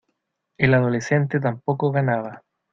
el adolescente tampoco ganaba: